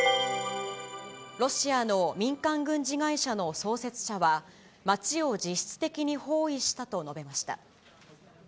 ロシアの民間軍事会社の創設者は、街を実質的に包囲したと述べました。